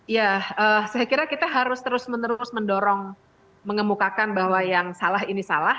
ya saya kira kita harus terus menerus mendorong mengemukakan bahwa yang salah ini salah